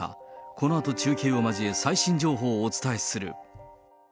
このあと中継を交え、最新情報をお伝えする。